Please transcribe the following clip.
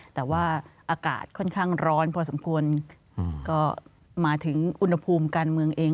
แต่ว่าอากาศค่อนข้างร้อนพอสมควรก็มาถึงอุณหภูมิการเมืองเอง